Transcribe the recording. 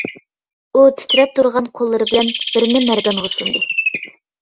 ئۇ تىترەپ تۇرغان قوللىرى بىلەن بىرنى مەردانغا سۇندى.